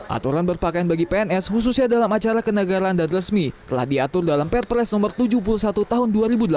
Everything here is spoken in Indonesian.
aturan berpakaian bagi pns khususnya dalam acara kenegaraan dan resmi telah diatur dalam perpres nomor tujuh puluh satu tahun dua ribu delapan belas